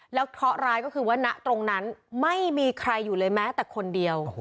แล้วเคราะห์ร้ายก็คือว่าณตรงนั้นไม่มีใครอยู่เลยแม้แต่คนเดียว